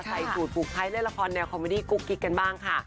ใส่สูตรผูกไทยเล่นละครแนวคอมเมดี้กุ๊กกิ๊กกันบ้างค่ะ